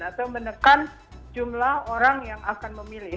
atau menekan jumlah orang yang akan memilih